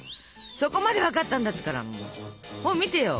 そこまで分かったんだったら本見てよ。